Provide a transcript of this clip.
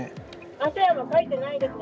汗はもうかいてないですね。